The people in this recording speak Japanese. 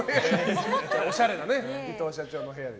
おしゃれなね伊藤社長の部屋で。